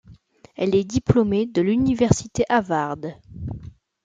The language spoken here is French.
Elle est diplômée de l'Université Harvard.